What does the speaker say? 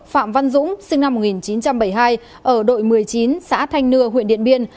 phạm văn dũng sinh năm một nghìn chín trăm bảy mươi hai ở đội một mươi chín xã thanh nưa huyện điện biên